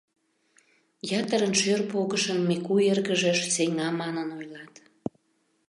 Ятырын шӧр погышын Мику эргыже сеҥа манын ойлат.